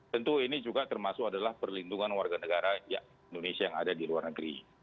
tentu ini juga termasuk adalah perlindungan warga negara indonesia yang ada di luar negeri